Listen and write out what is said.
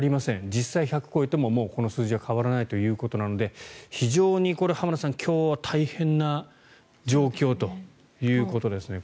実際、１００を超えてもこの数字は変わらないということなので非常に浜田さん、今日は大変な状況ということですね。